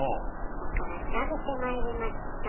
だから調べてまいりました。